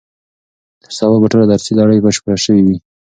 تر سبا به ټوله درسي لړۍ بشپړه سوې وي.